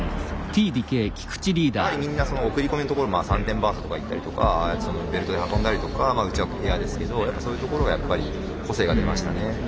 やはりみんなその送り込みのところ３点バーストとかいったりとかベルトで運んだりとかまあうちはエアーですけどやっぱそういうところがやっぱり個性が出ましたね。